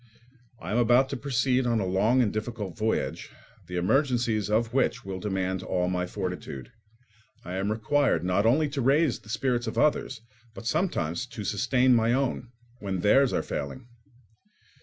I am about to proceed on a long and difficult voyage, the emergencies of which will demand all my fortitude: I am required not only to raise the spirits of others, but sometimes to sustain my own, when theirs are failing.